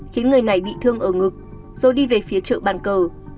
khiến người này bị thương ở ngực rồi đi về phía chợ bàn cờ